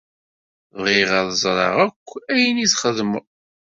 Bɣiɣ ad ẓṛeɣ akk ayen i txedmeḍ.